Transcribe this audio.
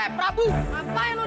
hei itu makanan gua